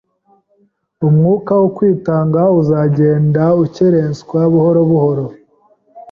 umwuka wo kwitanga uzagenda ukerenswa buhoro buhoro